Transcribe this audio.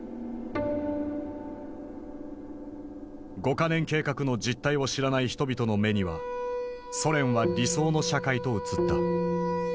五か年計画の実態を知らない人々の目にはソ連は理想の社会と映った。